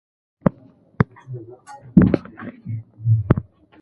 نړیوالو ته دې پښتو وښودل سي.